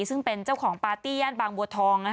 ซึ่งเป็นเจ้าของปาร์ตี้ย่านบางบัวทอง